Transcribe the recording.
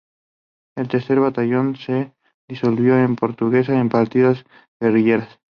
El tercer batallón se disolvió en Portuguesa en partidas guerrilleras.